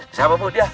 siapa pun dia